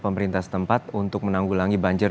pemerintah setempat untuk menanggulangi banjir